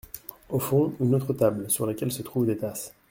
Au fond, une autre table, sur laquelle se trouvent des tasses.